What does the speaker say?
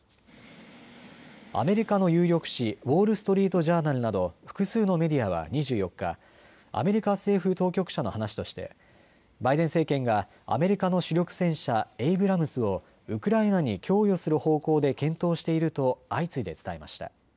アメリカの有力紙ウォール・ストリート・ジャーナルなど複数のメディアは２４日、アメリカ政府当局者の話としてバイデン政権がアメリカの主力戦車、エイブラムスをウクライナに供与する方向で検討していると相次いで伝えました。